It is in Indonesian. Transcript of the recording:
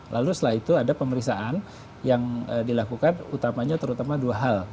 lalu setelah itu ada pemeriksaan yang dilakukan utamanya terutama dua hal